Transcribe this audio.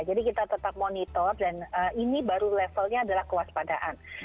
jadi kita tetap monitor dan ini baru levelnya adalah kewaspadaan